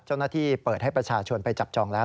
เจ้าหน้าที่เปิดให้ประชาชนไปจับจองแล้ว